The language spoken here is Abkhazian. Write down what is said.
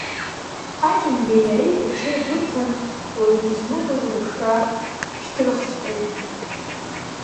Ҳаџьымбеи иареи рҽеибырҭан, уаҩы дызмыхәоз рыԥшра шьҭырхҵәҟьеит.